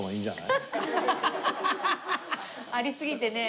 ありすぎてね。